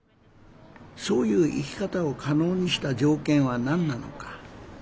そういう生き方を可能にした条件は何なのか。